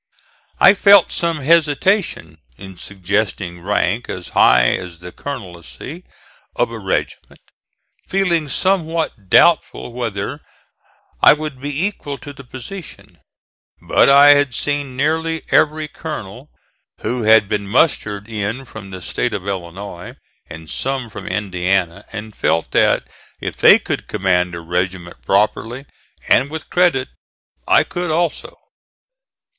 I felt some hesitation in suggesting rank as high as the colonelcy of a regiment, feeling somewhat doubtful whether I would be equal to the position. But I had seen nearly every colonel who had been mustered in from the State of Illinois, and some from Indiana, and felt that if they could command a regiment properly, and with credit, I could also.